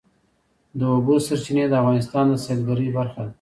د اوبو سرچینې د افغانستان د سیلګرۍ برخه ده.